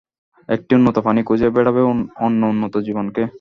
একটি উন্নত প্রাণী খুঁজে বেড়াবে অন্য উন্নত জীবনকে।